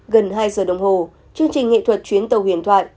gần hai giờ đồng hồ chương trình nghệ thuật chuyến tàu huyền thoại